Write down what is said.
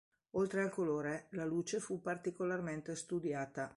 Oltre al colore, la luce fu particolarmente studiata.